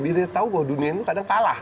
biarin aja tau bahwa dunia ini kadang kalah